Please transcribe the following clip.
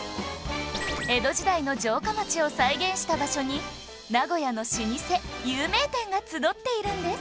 江戸時代の城下町を再現した場所に名古屋の老舗有名店が集っているんです